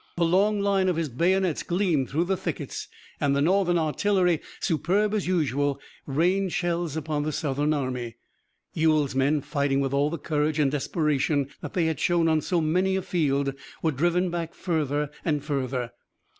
The long line of his bayonets gleamed through the thickets and the Northern artillery, superb as usual, rained shells upon the Southern army. Ewell's men, fighting with all the courage and desperation that they had shown on so many a field, were driven back further and further.